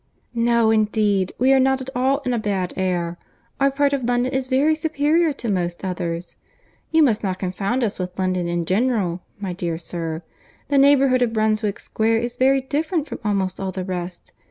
"No, indeed—we are not at all in a bad air. Our part of London is very superior to most others!—You must not confound us with London in general, my dear sir. The neighbourhood of Brunswick Square is very different from almost all the rest.